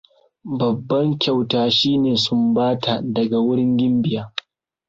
Babban kyauta shine sumbata daga wurin gimbiya.